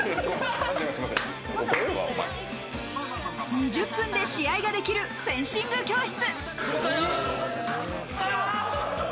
２０分で試合ができるフェンシング教室。